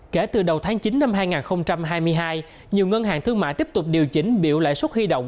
kể từ đầu tháng chín năm hai nghìn hai mươi hai nhiều ngân hàng thương mại tiếp tục điều chỉnh biểu lãi suất huy động